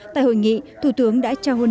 tại hội nghị thủ tướng đã trao hôn